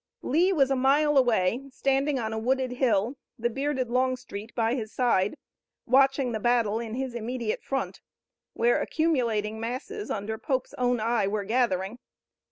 Lee was a mile away, standing on a wooded hill, the bearded Longstreet by his side, watching the battle in his immediate front, where accumulating masses under Pope's own eye were gathering.